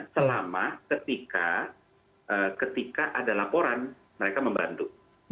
selama ketika ada laporan mereka membantu